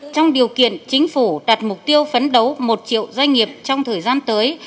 trong điều kiện chính phủ đặt mục tiêu phấn đấu một triệu doanh nghiệp trong thời gian tới